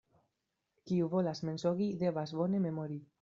Kiu volas mensogi, devas bone memori.